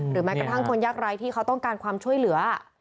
แม้กระทั่งคนยากไร้ที่เขาต้องการความช่วยเหลือ